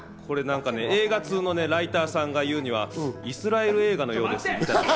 映画通のライターさんが言うにはイスラエル映画のようですって。